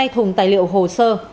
một mươi hai thùng tài liệu hồ sơ